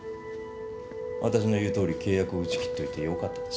私の言うとおり契約を打ち切っといてよかったですね。